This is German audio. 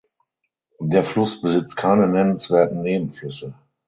Der Fluss besitzt keine nennenswerten Nebenflüsse.